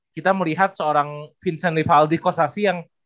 kita melihat seorang vincent rivaldi kosasi yang